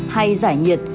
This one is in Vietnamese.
hay giải nhiệt